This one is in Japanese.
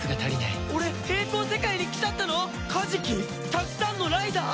たくさんのライダー？